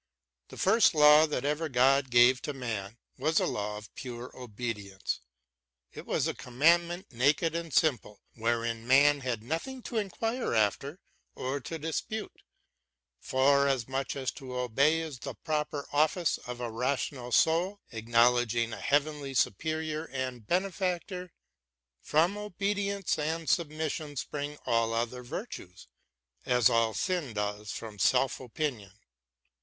The first law that ever God gave to man was a law of pure obedience ; it was a commandment naked and simple wherein man had nothing to inquire after or to dispute, forasmuch as to obey is the proper office of a rational soul acknowledging a heavenly superior and benefactor. From obedience and sub mission spring all other virtues, as all sin does from self opinion.